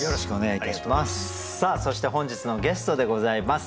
そして本日のゲストでございます。